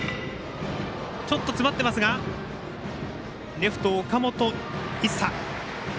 レフト、岡本一颯。